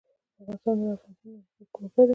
افغانستان د د افغانستان د موقعیت کوربه دی.